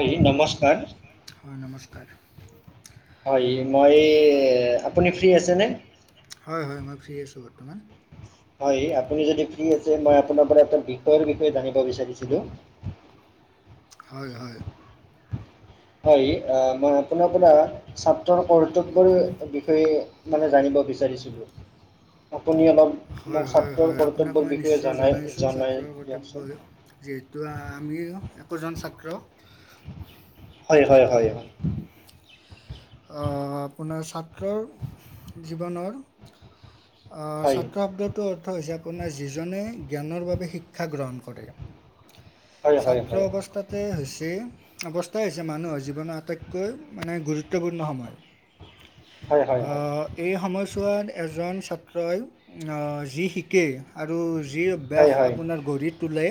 অঁ নমস্কাৰ। হয় নমস্কাৰ। হয় মই আপুনি ফ্ৰী আছেনে? হয় হয় মই ফ্ৰী আছো বৰ্তমান। হয় আপুনি য ফ্ৰী আছে মই আপোনাৰ পৰা এটা বিষয়ৰ বিষয়ে জানিব বিচাৰিছিলো। হয় হয়। হয় অ মই আপোনাৰ পৰা ছাত্ৰৰ কৰ্তব্যৰ বিষয়ে মানে জানিব বিচাৰিছিলো। আপুনি অলপ হয় হয় হয়, আপোনাক মই নিশ্চয় জনাইছোঁ ছাত্ৰ কৰ্তব্যই যিহেতু, আমিও একোজন ছাত্ৰ হয়। হয়। হয়। হয়। অহ। আপোনাৰ, ছাত্ৰৰ জীৱনৰ অহ। ছাত্ৰ শব্দটোৰ অৰ্থ হৈছে আপোনাৰ, যিজনে জ্ঞানৰ বাবে শিক্ষা গ্ৰহণ কৰে। ছাত্ৰ অৱস্থাত তে হৈছে, অৱস্থা হৈছে -মানুহৰ জীৱনৰ আটাইতকৈ মানে, গুৰুত্বপূৰ্ণ সময়। অহ এই সময়ছোৱাত এজন ছাত্ৰই যি শিকে, আৰু যি ব্যাস আপোনাৰ গঢ়ি তোলে,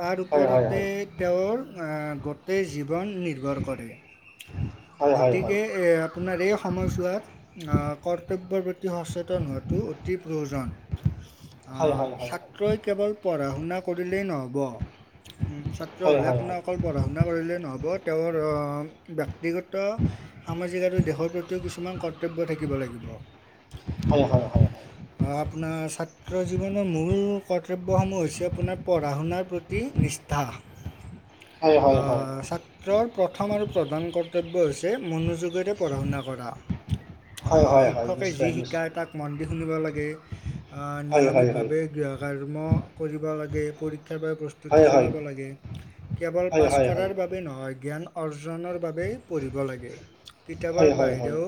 তাৰ ওপৰতে তেওঁৰ গোটেই জীৱন নিৰ্ভৰ কৰে। গতিকে, এ আপোনাৰ এই সময়ছোৱাত কৰ্তব্যৰ প্ৰতি সচেত তন হোৱাটো অতি প্ৰয়োজন। আ ছা ছাত্ৰই কেৱল পঢ়া-শুনা কৰিলেই নহ'ব। ছাত্ৰ হ'লে আপোনাৰ অকল পঢ়া-শুনা কৰিলেই নহ'ব। তেওঁৰ ব্যক্তিগত সামাজিক আৰু দেশৰ প্ৰতিও কিছুমান কৰ্তব্য থাকিব লাগিব। হয়। হয়। হয়। অ' আপোনাৰ ছাত্ৰ জীৱনৰ মূল কৰ্তব্যসমূহ হৈছে- আপোনাৰ পঢ়া-শুনাৰ প্ৰতি নিষ্ঠা [inaudible] অহ। ছাত্ৰৰ প্ৰথম আৰু প্ৰধান কৰ্তব্য হৈছে মনযোগেৰে পঢ়া- শুনা কৰা। অহ। শিক্ষকে যি শিকাই তাক মন দি শুনিব লাগে। আহ, নিয়মিতভাৱে গৃহ কৰ্ম কৰিবা লাগে। পৰীক্ষাৰ বাবে প্ৰস্তু -তি চলাব লাগে। কেৱল পাছ কৰাৰ বাবে নহয়। জ্ঞান অৰ্জনৰ বাবেই পঢ়িব লাগে। কিতাপৰ বাহিৰেও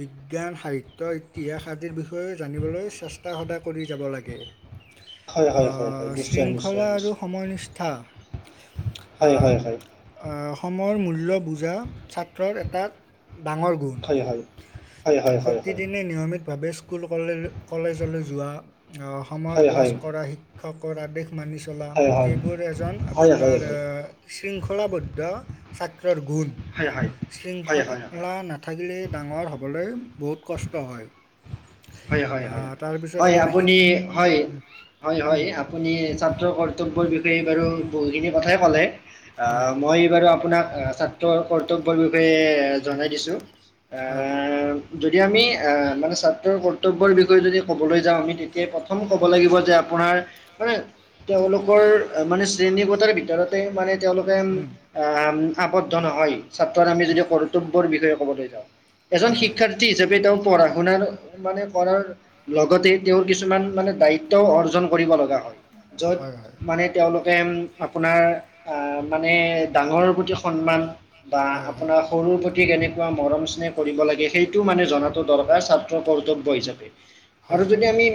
বিজ্ঞান, সাহিত্য, ইতিহাস আদিৰ বিষয়েও জানিবলৈ চেষ্টা সদায় কৰি যাব লাগে। শৃংখলা আৰু সময় কথা, আ -আ- সময়ৰ মূল্য বুজা ছাত্ৰৰ এটা ডাঙৰ গুণ। প্ৰতিদিনে নিয়মিতভাৱে স্কুল-কলে -কলেজলৈ যোৱা। সময়ৰ ক্লাছ কৰা। শিক্ষকৰ আদেশ মানি চলা। এইবোৰ এজন আপোনাৰ শৃংখলাবদ্ধ ছাত্ৰৰ গুণ। শৃংখ লা নাথাকিলেই, ডাঙৰ হ'বলৈ বহুত কষ্ট হয়। হয়। হয়। হয়। হয়। আপুনি হয়। হয়। হয়। আপ আপুনি ছাত্ৰৰ কৰ্তব্যৰ বিষয়ে বাৰু বহুতখিনি কথাই ক'লে। আহ। মই এই বাৰু আপোনাক ছাত্ৰ কৰ্তব্যৰ বিষয়ে জনাই দিছো। এহ। যদি আমি আ মানে ছাত্ৰৰ ক কৰ্তব্যৰ বিষয়ে যদি ক'বলৈ যাওঁ, আমি তেতিয়া প্ৰথম ক'ব লাগিব যে- আপোনাৰ মানে তেওঁলোকৰ মানে শ্ৰেণীকোঠাৰ ভিতৰতে মানে তেওঁলোকে আহ আবদ্ধ নহয়। ছাত্ৰৰ আমি যদি কৰ্তব্যৰ বিষয়ে কবলৈ যাওঁ। এজন শিক্ষাৰ্থী হিচাপে তেওঁ পঢ়া- শুনাৰ মানে কৰাৰ লগতে তেওঁৰ কিছুমান মানে দায়িত্বও অৰ্জন কৰিব লগা হয়। য'ত মানে তেওঁলোক [unintelligible] আপোনাৰ আহ মানে ডাঙৰৰ প্ৰতি সন্মান বা আপোনাৰ সৰুৰ প্ৰতি কেনেকুৱা মৰম-স্নেহ কৰিব লাগে, সেইটো মানে জনাটো দৰকাৰ। ছাত্ৰৰ কৰ্ত [unintelligible] আৰু যদি আমি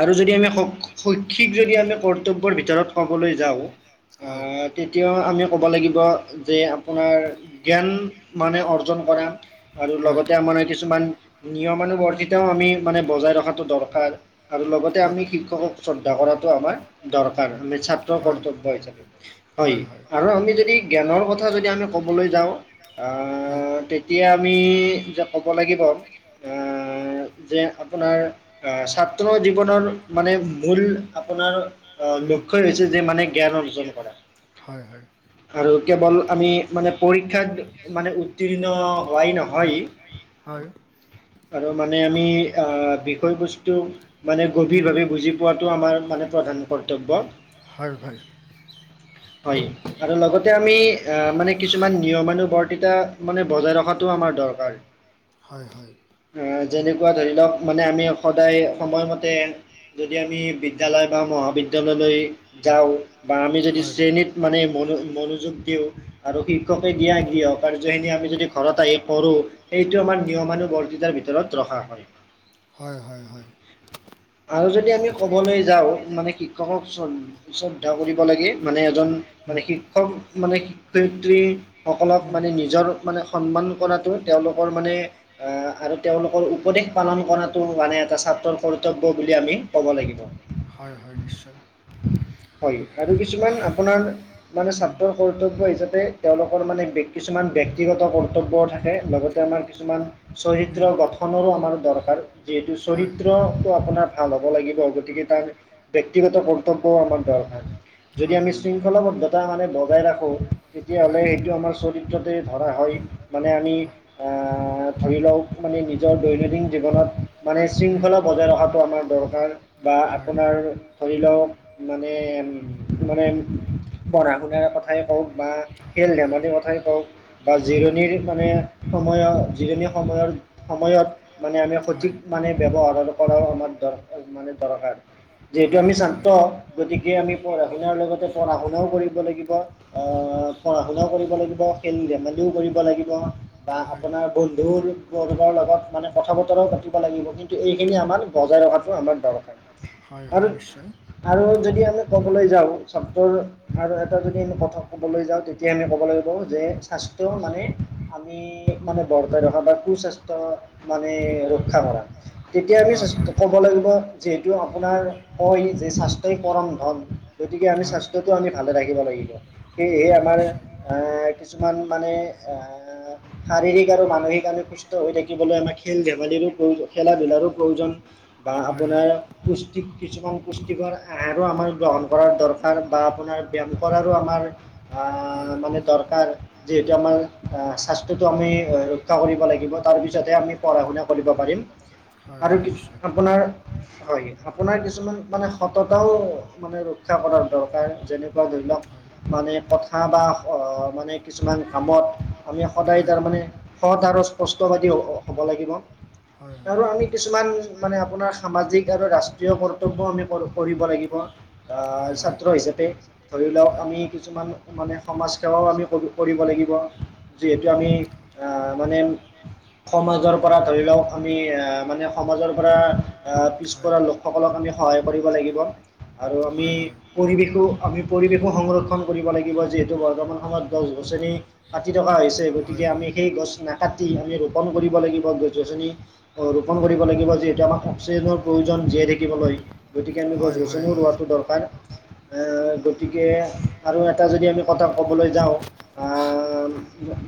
আৰু যদি আমি শৈ শৈক্ষিক যদি আমি কৰ্তব্যৰ ভিতৰত সকলোৱে যাওঁ আ তেতিয়া আমি ক'ব লাগিব যে আপোনাৰ জ্ঞান মানে অৰ অজন কৰা আৰু লগতে আমাৰ কিছুমান নিয়মানুৱৰ্তিতাও আমি মানে বজাই ৰখাটো দৰকাৰ আৰু লগতে আমি শিক্ষকক শ্ৰদ্ধা কৰাতটো আমাৰ দৰকাৰ আমি ছাত্ৰ কৰ্তব্য হিচাপে হয় আৰু আমি যদি জ্ঞানৰ কথা যদি আমি ক'বলৈ যাওঁ আ হয় তেতিয়া আমি যে ক'ব লাগিব। অ যে আপোনাৰ আহ ছাত্ৰ জীৱনৰ মানে মূল আপোনাৰ আহ লক্ষ্যই হৈছে যে মানে জ্ঞান অৰ্জন কৰা। আৰু কেৱল আমি মানে পৰীক্ষাত মানে উত্তীৰ্ণ হোৱাই নহয় হয় আৰু মানে আমি আহ বিষয়বস্তু মানে গভীৰভাৱে বুজি পোৱাটো আমাৰ মানে প্ৰধান কৰ্তব্য। হয় হয় হয়। আৰু লগতে আমি আহ মানে কিছুমান নিয়মানুৱৰ্তিতা মানে বজাই ৰখাটো আমাৰ দৰকাৰ হয় হয়। আহ যেনেকুৱা ধৰি লওক মানে আমি সদায় সময়মতে যদি আমি বিদ্যালয় বা মহাবিদ্যালয়লৈ যাওঁ বা আমি যদি শ্ৰেণীত মানে মনো মনোযোগ দিওঁ আৰু শিক্ষকে দিয়া গৃহ কাৰ্যখিনি আমি যদি ঘৰত আহি কৰোঁ। এইটো আমাৰ নিয়মানুৱৰ্তিতাৰ ভিতৰত ৰখা হয়। হয় হয় হয়। আৰু যদি আমি ক'বলৈ যাওঁ মানে শিক্ষকক চব তেওঁ সুধি ক'লে কি মানে এজন মানে শিক্ষক মানে শিক্ষয়িত্ৰী সকলক মানে নিজৰ মানে সন্মান কৰাটো তেওঁলোকৰ মানে আৰু তেওঁলোকৰ উপদেশ পালন কৰাটো মানে এটা ছাত্ৰৰ কৰ্তব্য বুলি আমি ক'ব লাগিব। হয় হয় নিশ্চয়। হয় আৰু কিছুমান আপোনাৰ মানে ছাত্ৰৰ ক কৰ্তব্য হিচাপে তেওঁলোকৰ মানে কিছুমান ব্যক্তিগত কৰ্তব্য থাকে লগতে আমাৰ কিছুমান চৰিত্ৰ গঠনৰো আমাৰ দৰকাৰ যিহেতু চৰিত্ৰটো আপোনাৰ ভাল হ'ব লাগিব গতিকে তাৰ ব্যক্তিগত কৰ্তব্যও আমাৰ দৰকাৰ নাই। যদি আমি শৃংখলা বদ্ধত এটা মানে বজাই ৰাখোঁ তেতিয়াহ'লে সেইটো আমাৰ চৰিত্ৰতে ধৰা হয় মানে আমি আহ ধৰি লওক। মানে নিজৰ দৈনন্দিন জীৱনত মানে শৃংখলা বজাই ৰখাটো আমাৰ দৰকাৰ। বা আপোনাৰ ধৰি লওঁক মানে মানে পঢ়া শুনাৰ কথাই কওঁ বা খেল ধেমালি কথাই কওক বা জিৰোণিৰ মানে সময়ৰ জিৰণি সময়ৰ সময়ত মানে আমি সঠিক মানে ব্যৱহাৰ কৰাও আমাৰ দৰ মানে দৰকাৰ যিহেতু আমি চান গতিকে আমি পঢ়া শুনাৰ লগতে পঢ়া শুনাও কৰিব লাগিব। আহ পঢ়া শুনাও কৰিব লাগিব খেল ধেমালিও কৰিব লাগিব। বা আপোনাৰ বন্ধুৰ বৰ্গৰ লগত মানে কথা বতৰাও পাতিব লাগিব কিন্তু এইখিনি আমাক বজাই ৰখাটো আমাৰ দৰকাৰ। হয় হয় নিশ্চয়। আৰু যদি আমি ক'বলৈ যাওঁ চব্ৰৰ আৰু এটা যদি আমি কথাক ক'বলৈ যাওঁ তে তিয়া আমি ক'ব লাগিব যে স্বাস্থ্য মানে আমি মানে বৰ্তাই ৰখা বা সুস্বাস্থ্য মানে ৰক্ষা কৰা তেতিয়া আমি ক'ব লাগিব যিহেতু আপোনাৰ কয় যে স্বাস্থ্যই পৰম ধন গতিকে আমি স্বাস্থ্যটো আমি ভালে থাকিব লাগিব, সেয়েহে আমাৰ এ কিছুমান মানে শাৰীৰিক আৰু মানসিক কাৰে স্থ হৈ থাকিবলৈ আমাৰ খেল ধেমালিৰো প্ৰয়োজন, খেলা ধূলাৰো প্ৰয়োজন বা আপোনাৰ পুষ্টিক কিছুমান পুষ্টিকৰ আহাৰো আমাৰ গ্ৰহণ কৰাৰ দৰকাৰ বা আপোনাৰ ব্যায়াম কৰাৰো আমাৰ অ' মানে দৰকাৰ। যিহেতু আমাৰ আহ স্বাস্থ্যটো আমি ৰক্ষা কৰিব লাগিব তাৰপিছতেে আমি পঢ়া শুনা কৰিব পাৰিম। আৰু আপোনাৰ হয় আপোনাৰ কিছুমান মানে সততাও মানে ৰক্ষা কৰাৰ দৰকাৰ, যেনেকুৱা ধৰি লওঁক মানে কথা বা আহ মানে কিছুমান কামত, আমি সদায় তাৰমানে সৎ আৰু স্পষ্টবাদী হ'ব লাগিব। আৰু আমি কিছুমান মানে আপোনাৰ সামাজিক আৰু ৰাষ্ট্ৰীয় কৰ্তব্যও আমি কৰিব লাগিব। আহ ছাত্ৰ হিচাপে ধৰি লওক আমি কিছুমান মানে সমাজ সেৱাও আমি কৰিব লাগিব। যিহেতু আমি আহ মানে সমাজৰ পৰা ধৰি লওঁক আমি এ মানে সমাজৰ পৰা আহ পিছ পৰা লোকসকলক আমি সহায় কৰিব লাগিব। আৰু আমি পৰিৱেশো আমি পৰিৱেশো সংৰক্ষণ কৰিব লাগিব। যিহেতু বৰ্তমান সময়ত গছ গছনি কাটি থকা হৈছে, গতিকে আমি সেই গছ নাকাটি আমি ৰোপন কৰিব লাগিব। গছ গছনি ৰোপণ কৰিব লাগিব, যিহেতু আমাক অক্সিজেনৰ প্ৰয়োজন জীয়াই থাকিবলৈ। গতিকে আমি গছ গছনি ৰোৱাটো দৰকাৰ। গতিকে আৰু এটা যদি আমি কথা ক'বলৈ যাওঁ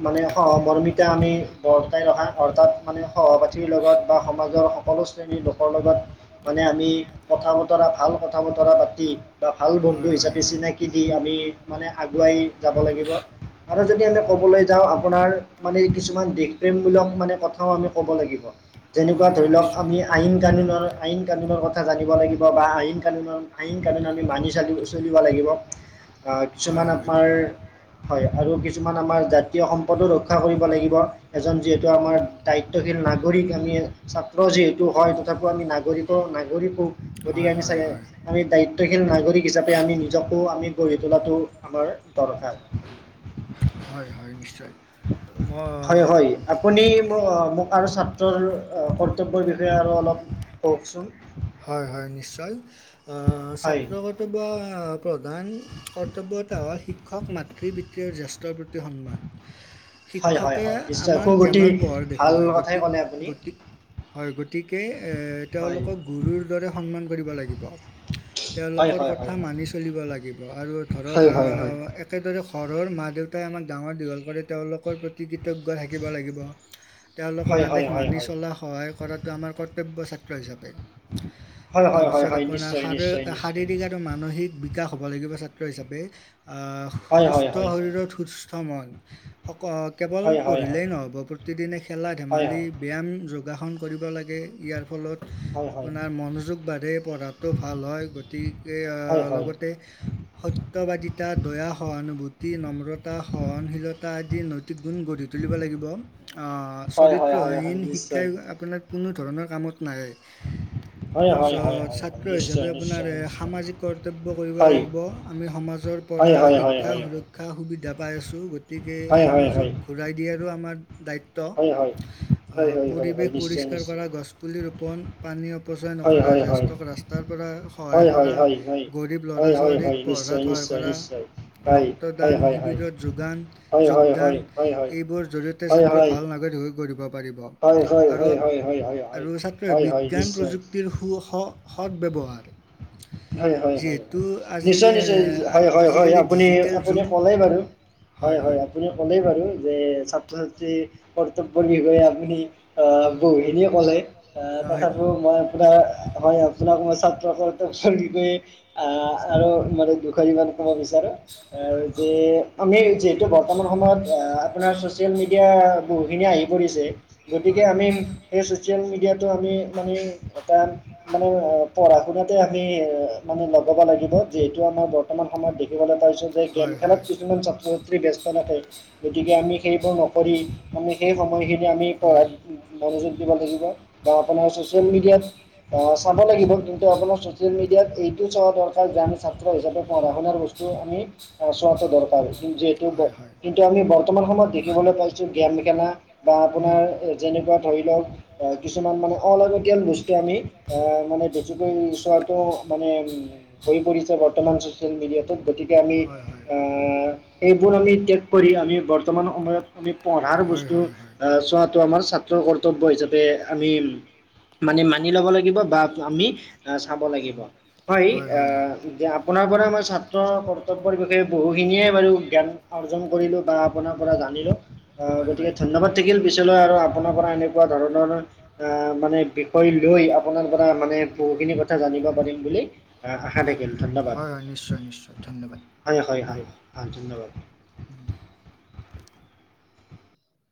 মানে সহ বৰ্মিতা আমি বৰ্তাই ৰখা, অৰ্থাৎ মানে সহপাঠীৰ লগত বা সমাজৰ সকলো শ্ৰেণীৰ লোকৰ লগত মানে আমি কথা বতৰা ভাল কথা বতৰা পাতি বা ভাল বন্ধু হিচাপে চিনাকি দি আমি মানে আগুৱাই যাব লাগিব আৰু যদি আমি ক'বলৈ যাওঁ, আপোনাৰ মানে কিছুমান দেশ প্ৰেমমূলক মানে কথাও আমি ক'ব লাগিব। যেনেকুৱা ধৰি লওঁক আমি আইন কানুনৰ আইন কানুনৰ কথা জানিব লাগিব বা আইন কানুনৰ আইন কানুন আমি মিনি চালিব চলিব লাগিব। কিছুমান আপোনাৰ হয় আৰু কিছুমান আমাৰ জাতীয় সম্পদো ৰক্ষা কৰিব লাগিব। এজন যিহেতু আমাৰ দায়িত্বশীল নাগৰিক আমি ছাত্ৰ যিহেতু, হয় তথাপিও আমি নাগৰিকো নাগৰিকো গতিকে আমি চাগে আমি দায়িত্বশীল নাগৰিক হিচাপে আমি নিজকো আমি গঢ়ি তোলাটো আমাৰ দৰকাৰ। হয় হয় নিশ্চয়। মই হয় হয় আপুনি মোক আৰু ছাত্ৰৰ কৰ্তব্যৰ বিষয়ে আৰু অলপ কওঁকচোন। হয় নিশ্চয়, ছাত্ৰ কৰ্তব্য প্ৰধান কৰ্তব্যতা হয়, শিক্ষক, মাতৃ, বিতৃ আৰু জ্যেষ্ঠৰ প্ৰতি সন্মান। [unintelligible] শিক্ষকে আমাক জ্ঞানৰ পোহৰ দেখুৱায়। গতিক গতি হয় গতিকে তেওঁলোকক গুৰুৰ দৰে সন্মান কৰিব লাগিব। তেওঁলোকৰ কথা মানি চলিব লাগিব। আৰু ধৰক, একেদৰে সৰল মা দেউতাই আমাক ডাঙৰ দীঘল কৰে। তেওঁলোকৰ প্ৰতি, কৃতজ্ঞ থাকিব লাগিব। তেওঁলোকৰ আদেশ মানি চলা, সহায় কৰাটো আমাৰ কৰ্তব্য ছাত্ৰ হিচাপে। তাৰপিছত আপোনাৰ শাৰীৰিক আৰু মা মানসিক বিকাশ হ'ব লাগিব, ছাত্ৰ হিচাপে, সুস্থ শৰীৰত সু ত মন, কেৱল পঢ়িলেই নহ'ব। প্ৰতিদিনে খেলা ধেমালি, ব্যায়াম যোগাসন কৰিব লাগে, ইয়াৰ ফলত আপোনাৰ মনোযোগ। বাদে পঢ়াটো ভাল হয়, গতিকে লগতে সত্যবাদিতা দয়া সহানুভূতি, নম্ৰতা, সহনশীলতা আদি নৈতিক গুণ গৰি তুলিব লাগিব, অঁ চৰিত্ৰহীন শিক্ষাই আপোনাক, কোনো ধৰণৰ কামত নাহে। তাৰপাছত ছাত্ৰ হিচাপে আপোনাৰ এ সামাজিক কৰ্তব্য কৰিব লাগিব। আমি সমাজৰ পৰা শিক হয় হয়। শিক্ষা সুবিধা পাই আছোঁ। গতিকে সমাজক ঘূৰাই দিয়াৰো আমাৰ দায়িত্ব। পৰিৱেশ পৰিষ্কাৰ কৰা, গছপুলি ৰোপণ পানী অপচয়, নকৰা, জেষ্ঠক ৰাস্তাৰ পৰা সহায় কৰা, গৰিপ ল'ৰা ছোৱালীক পঢ়াত সহায় কৰা। ৰক্তদান শিবিৰত যোগান, যোগদান এইবোৰ জৰিয়তে ছতে ছাত্ৰ ভাল নাগৰিক হৈ কৰিব পাৰিব। আৰু, আৰু ছাত্ৰ বিজ্ঞান প্ৰযুক্তি, টিৰ সু সৎ সৎ ব্যৱহাৰ হয় হয় হয়, নিছয় [unintelligible] [unintelligible] আপুনি কলে ন এইটো, হয় হয়, আপুনি ক'লেই বাৰু, যে ছাত্ৰ ছাত্ৰী কৰ্তব্যৰ বিষয়ে আপুনি, অঁ বহুখিনিয়ে ক'লে, এ তথাপিও মই, হয় আপোনাক ছাত্ৰ কৰ্তক, আহ আৰু মানে কৰিব কিমান সময় বিচাৰে, যে আমি যিহেতু বৰ্তমান সময়ত আপোনাৰ চচিয়েল মিডিয়া বহুখিনি আহি, কৰিছে গতিকে আমি, সেই ছ'চিয়েল মিডিয়াটো আমি মানে এটা মানে পঢ়া শুনাত। আমি মানে লগাব লাগিব। যিহেতু আমাৰ বৰ্তমান সময়ত দেখিবলৈ পাইছো যে, গেম খেলত কিছুমান ছাত্ৰ, অ ব্যস্ত থাাকে, গতিকে আমি সেইবোৰ নকৰি আমি সেই সময়খিনিত, আমি পঢ়াত, মনোযোগ দিব লাগিব বা আপোনাৰ ছ'চিয়েল মিডিয়াত চাব লাগিব। কিন্তু আপোনাক, ছ'চিয়েল মিডিয়াত এইটোও চোৱা দৰকাৰ, যে আমি ছাত্ৰ হিচাপে পঢ়া শুনাৰ বস্তু আমি, চলটো দৰকাৰ। যিহেতু কিন্তু আমি বৰ্তমান সময়ত দেখিবলৈ পাইছো, গেম খেলা বা আপোনাৰ, যেনেকুৱা ধৰি লওক, কিছুমান মানে অলাগতিয়াল বস্তু আমি মানে বেছিকৈ উ, চোৱাটো মানে ভৰি পৰিছে বৰ্তমান ছচিয়েল মিডিয়াটোত। গতিকে আমি, এ আ, এইবোৰ আমি ত্যাগ কৰি আমি বৰ্তমান সময়ত আমি, পঢ়াৰ বস্তু আহ চোৱাটো আমাৰ ছাত্ৰৰ কৰ্তব্য হিচাপে আমি মানে মানি লব লাগিব বা আমি চাব লাগিব হয় আহ আপোনাৰ পৰা মই ছাত্ৰ কৰ্তব্যৰ বিষয়ে বহুখিনিয়ে বাৰু জ্ঞান অৰ্জন কৰিলোঁ বা আপোনাৰ পৰা জানি লওক অ গতিকে ধন্যবাদ থাকিল পিছলৈ আৰু আপোনাৰ পৰা এনেকুৱা ধৰণৰ আহ মানে লই আপোনাৰ পৰা মানে বহুখিনি কথা জানিব পাৰিম বুলি আহ আশা থাকিল ধন্যবাদ হয় হয় হয় হয় ধন্যবাদ